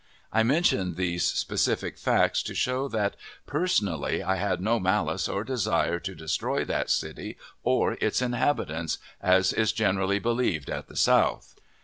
I mention these specific facts to show that, personally, I had no malice or desire to destroy that city or its inhabitants, as is generally believed at the South.